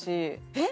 えっ！